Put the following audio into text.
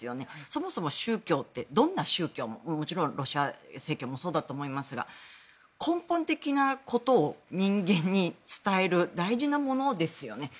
そもそも宗教ってどんな宗教ももちろんロシア正教会もそうだと思いますが根本的なことを人間に伝える大事なものですよね。